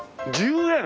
１０円！？